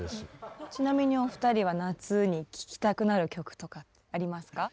ちなみにお二人は夏に聴きたくなる曲とかありますか？